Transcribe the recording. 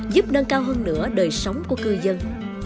giúp nâng cao hơn nữa đời sống của cư dân